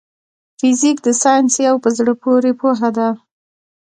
فزيک د ساينس يو په زړه پوري پوهه ده.